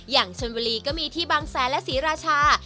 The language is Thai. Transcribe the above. อย่างชนบุรีก็มีที่บางแสนและศรีราชา